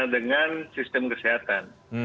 dengan sistem kesehatan